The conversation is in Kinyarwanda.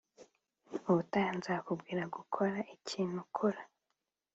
ubutaha nzakubwira gukora ikintu, kora.